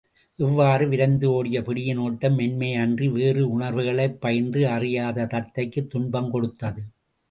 இவ்வாறு விரைந்து ஓடிய பிடியின் ஒட்டம், மென்மையை அன்றி வேறு உணர்வுகளைப் பயின்று அறியாத தத்தைக்குத் துன்பம் கொடுத்தது.